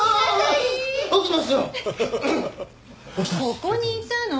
ここにいたの？